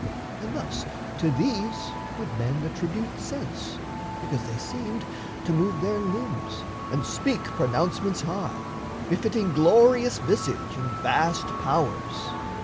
And, thus, to these Would men attribute sense, because they seemed To move their limbs and speak pronouncements high, Befitting glorious visage and vast powers.